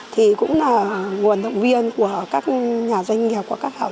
thì cũng là nguồn động viên của các nhà doanh nghiệp và các học viên